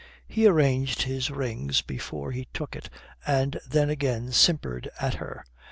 He arranged his rings before he took it and then again simpered at her.